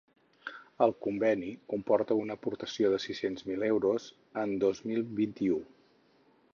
El conveni comporta una aportació de sis-cents mil euros en dos mil vint-i-u.